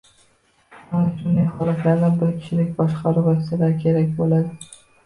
Mana shunday holatlarda bir kishilik boshqaruv vositalari kerak bo’ladi